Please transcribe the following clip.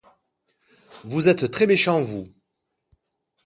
Vous êtes très méchant, vous!